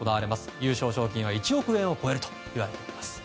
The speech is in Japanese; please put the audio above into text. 優勝賞金は１億円を超えるといわれています。